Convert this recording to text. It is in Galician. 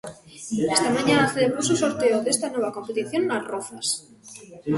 Esta mañá celebrouse o sorteo desta nova competición nas Rozas.